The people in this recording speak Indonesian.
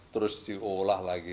terus diolah lagi